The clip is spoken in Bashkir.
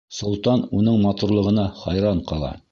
Солтан уның матурлығына хайран ҡала.